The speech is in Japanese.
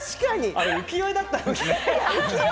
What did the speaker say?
あれ、浮世絵だった？